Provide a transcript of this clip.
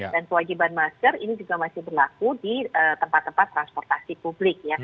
dan kewajiban masker ini juga masih berlaku di tempat tempat transportasi publik